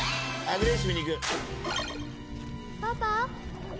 「パパ」